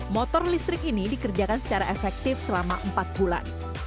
motor listrik ini dikerjakan secara efektif selama empat bulan